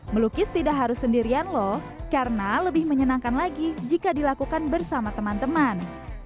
melukis tidak harus sendirian loh karena lebih menyenangkan lagi jika dilakukan bersama teman teman